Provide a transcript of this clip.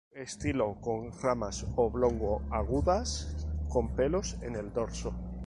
Estilo con ramas oblongo-agudas con pelos en el dorso.